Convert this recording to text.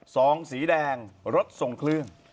ซองสีแดงรสส่งเคลื่อง